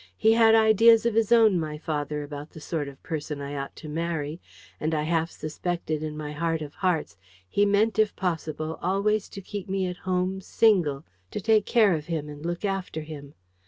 He had ideas of his own, my father, about the sort of person I ought to marry: and I half suspected in my heart of hearts he meant if possible always to keep me at home single to take care of him and look after him.